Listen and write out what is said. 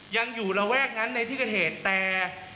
ยังอยู่ระแวกนั้นในที่เกิดเหตุแต่